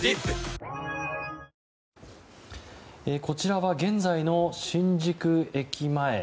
こちらは現在の新宿駅前。